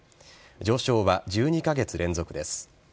上昇は１２カ月連続です。